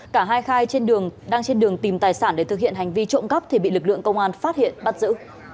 cả hai khai trên đường đang trên đường tìm tài sản để thực hiện hành vi trộm cắp thì bị lực lượng công an phát hiện bắt giữ